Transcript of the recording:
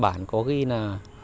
bản có ghi là